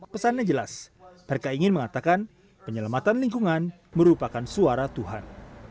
pesannya jelas mereka ingin mengatakan penyelamatan lingkungan merupakan suara tuhan